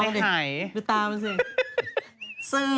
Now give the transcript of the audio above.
ดูเมื่อที่หาย